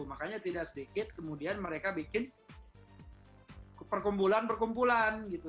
makanya tidak sedikit kemudian mereka bikin perkumpulan perkumpulan gitu